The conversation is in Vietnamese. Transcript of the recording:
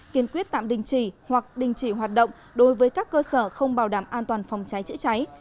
kiên quyết tạm đình chỉ hoặc đình chỉ hoạt động đối với các cơ sở không bảo đảm an toàn phòng cháy chữa cháy